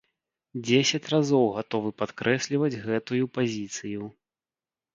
Дзесяць разоў гатовы падкрэсліваць гэтую пазіцыю!